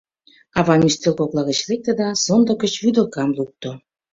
Авам ӱстел кокла гыч лекте да сондык гыч вӱдылкам лукто.